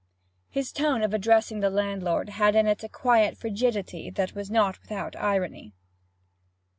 His tone of addressing the landlord had in it a quiet frigidity that was not without irony.